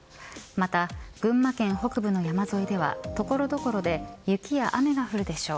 また、群馬県北部の山沿いでは所々で雪や雨が降るでしょう。